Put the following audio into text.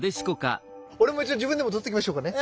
俺も一応自分でも撮っときましょうかね。